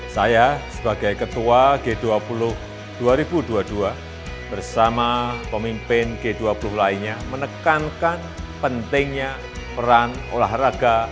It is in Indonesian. saya sebagai ketua g dua puluh dua ribu dua puluh dua bersama pemimpin g dua puluh lainnya menekankan pentingnya peran olahraga